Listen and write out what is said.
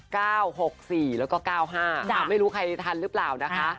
ค่ะ๙๖๔แล้วก็๙๕ถามไม่รู้ใครทันหรือเปล่านะคะ